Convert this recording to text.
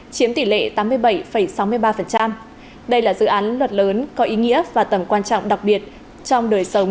chiếm tỷ lệ tám mươi bảy sáu mươi ba đây là dự án luật lớn có ý nghĩa và tầm quan trọng đặc biệt trong đời sống